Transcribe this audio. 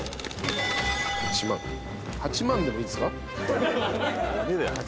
８万でもいいですか？